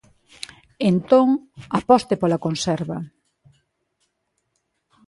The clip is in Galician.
Entón, aposte pola conserva.